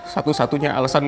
satu satunya alesan gue